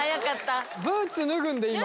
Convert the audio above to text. ブーツ脱ぐんで今。